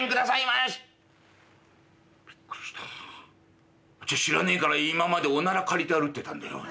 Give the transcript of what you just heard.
あしゃ知らねえから今までおなら借りて歩いてたんだよ。